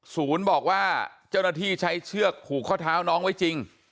บอกว่าเจ้าหน้าที่ใช้เชือกผูกข้อเท้าน้องไว้จริง